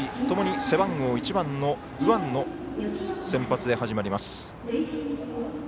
ともに背番号１番の右腕の先発で始まります。